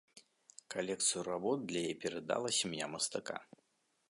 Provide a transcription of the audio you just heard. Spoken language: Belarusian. Калекцыю работ для яе перадала сям'я мастака.